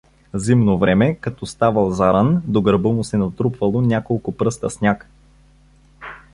Зимно време, като ставал заран, до гърба му се натрупвало няколко пръста сняг.